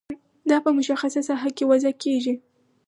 دا په مشخصه ساحه کې وضع کیږي.